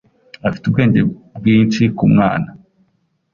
Afite ubwenge bwinshi kumwana.